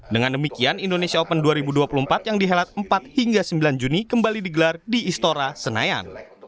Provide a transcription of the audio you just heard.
dengan demikian indonesia open dua ribu dua puluh empat yang dihelat empat hingga sembilan juni kembali digelar di istora senayan